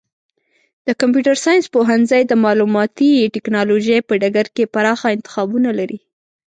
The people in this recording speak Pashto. د کمپیوټر ساینس پوهنځی د معلوماتي ټکنالوژۍ په ډګر کې پراخه انتخابونه لري.